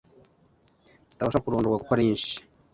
zitabasha kurondorwa kuko ari nyinshi